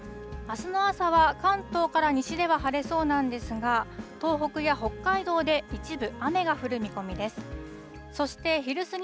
あすの朝は関東から西では晴れそうなんですが、東北や北海道で一部雨が降る見込みです。